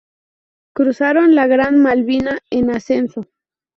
Cruzaron la Gran Malvina en ascenso.